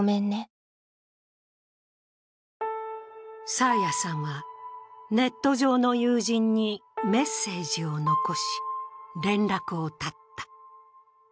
爽彩さんはネット上の友人にメッセージを残し連絡を絶った。